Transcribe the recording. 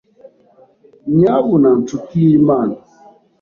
Nyabuna nshuti y'Imana